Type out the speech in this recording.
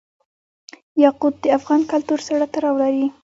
یاقوت د افغان کلتور سره تړاو لري.